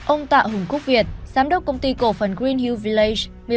ông tạ hùng quốc việt giám đốc công ty cổ phần greenhill village